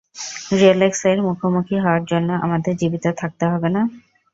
রোলেক্সের মুখোমুখি হওয়ার জন্য আমাদের জীবিত থাকতে হবে না?